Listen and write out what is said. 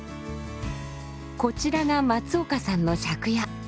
こちらが松岡さんの借家。